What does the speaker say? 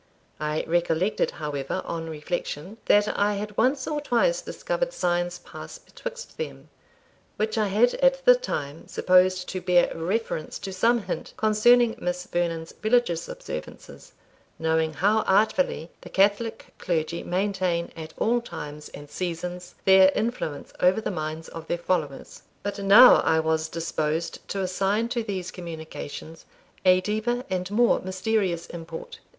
I recollected, however, on reflection, that I had once or twice discovered signs pass betwixt them, which I had at the time supposed to bear reference to some hint concerning Miss Vernon's religious observances, knowing how artfully the Catholic clergy maintain, at all times and seasons, their influence over the minds of their followers. But now I was disposed to assign to these communications a deeper and more mysterious import.